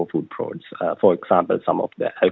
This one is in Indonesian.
untuk produk produk makanan